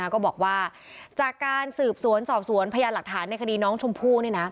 ก็บอกว่าจากการสืบสวนสอบสวนพยานหลักฐานในคดีน้องชมพู่